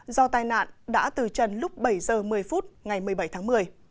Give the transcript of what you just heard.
do tai nạn đã từ trần lúc bảy h một mươi phút ngày một mươi bảy tháng một mươi